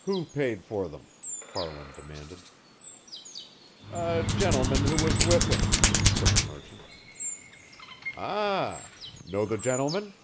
"Who paid for them?" Farland demanded. "A gentleman who was with him," said the merchant. "Ah! Know the gentleman?"